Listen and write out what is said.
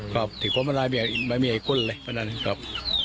ครับถึงก็มันไม่มีไอ้คุณเลยพันธุ์นั้นเนี่ยครับ